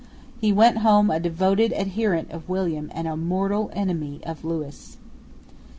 He went home a devoted adherent of William and a mortal enemy of Lewis.